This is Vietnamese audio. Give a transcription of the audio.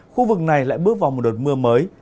khu vực này lại bước vào một đợt mưa mới